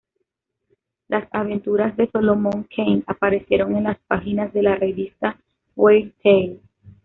Las aventuras de Solomon Kane aparecieron en las páginas de la revista "Weird Tales".